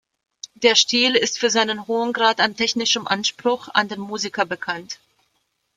Der Stil ist für seinen hohen Grad an technischem Anspruch an den Musiker bekannt.